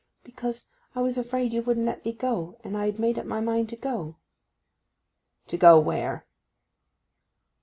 'Because I was afraid you wouldn't let me go, and I had made up my mind to go.' 'To go where?